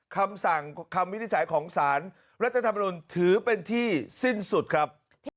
คำสั่งคำวินิจฉัยของสารรัฐธรรมนุนถือเป็นที่สิ้นสุดครับ